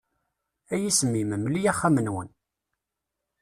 A yisem-im, mmel-iyi axxam-nwen.